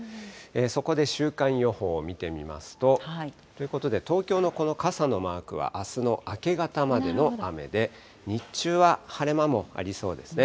そこで週間予報を見てみますと。ということで東京のこの傘のマークはあすの明け方までの雨で、日中は晴れ間もありそうですね。